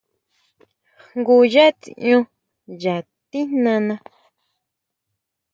Jngu yá tsión yá tijnana.